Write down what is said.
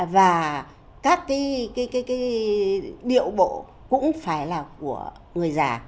và các cái điệu bộ cũng phải là của người già